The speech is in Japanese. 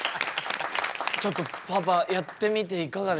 ちょっとパーパーやってみていかがでした？